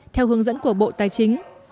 theo hướng dẫn của bộ tài chính